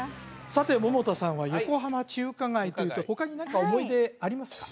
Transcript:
さて百田さんは横浜中華街というと他に何か思い出ありますか？